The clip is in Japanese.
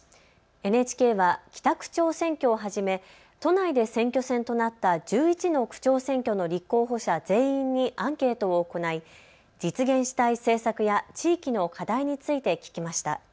ＮＨＫは北区長選挙をはじめ都内で選挙戦となった１１の区長選挙の立候補者全員にアンケートを行い実現したい政策や地域の課題について聞きました。